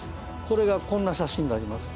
それが、こんな写真になります。